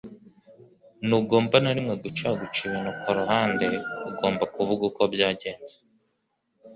Ntugomba na rimwe guca guca ibintu kuruhande ugomba kuvuga uko byagenze